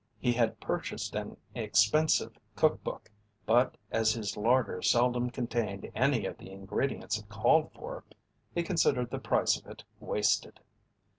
He had purchased an expensive cook book, but as his larder seldom contained any of the ingredients it called for, he considered the price of it wasted.